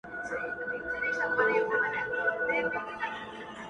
o قاسم یار که ستا په سونډو مستانه سوم,